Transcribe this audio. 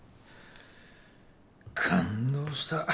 感動した。